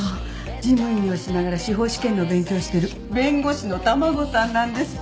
事務員をしながら司法試験の勉強してる弁護士の卵さんなんですって。